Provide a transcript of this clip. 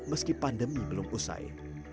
meski pandemi belum usai